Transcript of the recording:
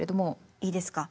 いいですか？